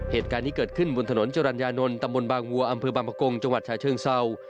เหตุการณ์นี้เกิดขึ้นบนถนนจรรยานนท์ตำบลบางวัวอำเภอบางประกงจังหวัดชาเชิงเศร้า